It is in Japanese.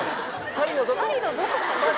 パリのどこ？